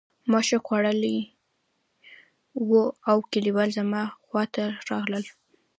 ما شوک خوړلی و او کلیوال زما خواته راغلل